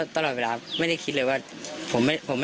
ตลอดเวลาครับไม่ได้คิดเลยว่า